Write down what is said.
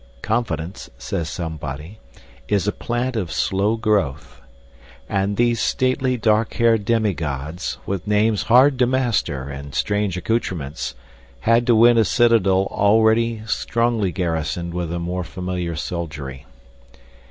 "Confidence," says somebody, "is a plant of slow growth;" and these stately dark haired demi gods, with names hard to master and strange accoutrements, had to win a citadel already strongly garrisoned with a more familiar soldiery.